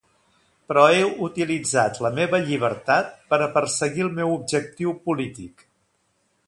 Però he utilitzat la meva llibertat per a perseguir el meu objectiu polític.